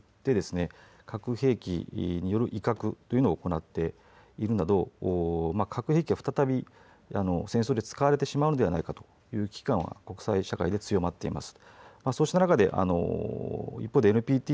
一方で指摘のようにロシアがウクライナ侵攻を巡って核兵器による威嚇というのを行っているなど核兵器が再び戦争で使われてしまうのではないかという危機感は国際社会で強まっています。